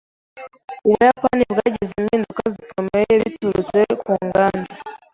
Ubuyapani bwagize impinduka zikomeye biturutse ku nganda.